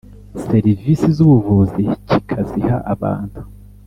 serivisi z ubuvuzi kikaziha abantu